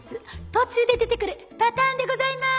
途中で出てくるパターンでございます！